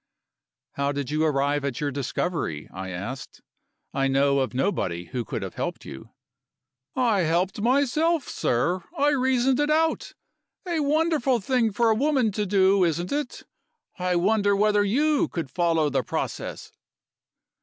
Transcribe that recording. "How did you arrive at your discovery?" I asked. "I know of nobody who could have helped you." "I helped myself, sir! I reasoned it out. A wonderful thing for a woman to do, isn't it? I wonder whether you could follow the process?"